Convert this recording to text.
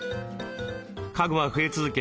家具は増え続け